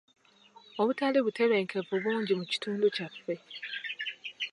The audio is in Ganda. Obutali butebenkevu bungi mu kitundu kyaffe.